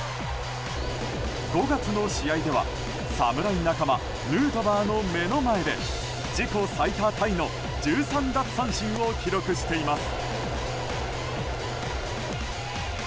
５月の試合では侍仲間、ヌートバーの目の前で自己最多タイの１３奪三振を記録しています。